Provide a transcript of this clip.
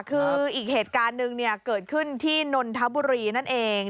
คืออีกเหตุการณ์หนึ่งเกิดขึ้นที่นนทบุรีนั่นเอง